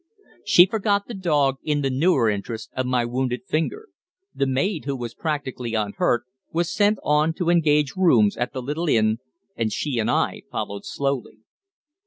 She forgot the dog in the newer interest of my wounded finger. The maid, who was practically unhurt, was sent on to engage rooms at the little inn, and she and I followed slowly.